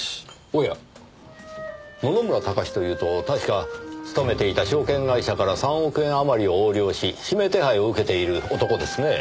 おや野々村高志というと確か勤めていた証券会社から３億円余りを横領し指名手配を受けている男ですね。